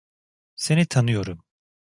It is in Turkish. Seni tanıyorum.